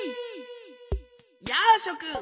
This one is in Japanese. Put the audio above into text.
やあしょくん！